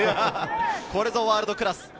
これぞワールドクラス。